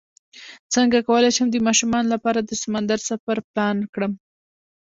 څنګه کولی شم د ماشومانو لپاره د سمندر سفر پلان کړم